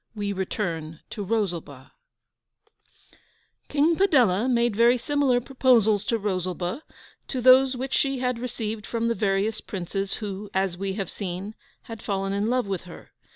WE RETURN TO ROSALBA King Padella made very similar proposals to Rosalba to those which she had received from the various princes who, as we have seen, had fallen in love with her.